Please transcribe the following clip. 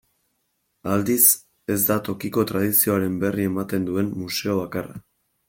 Aldiz, ez da tokiko tradizioaren berri ematen duen museo bakarra.